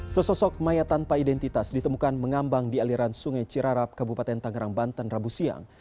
sesosok mayat tanpa identitas ditemukan mengambang di aliran sungai cirarap kabupaten tangerang banten rabu siang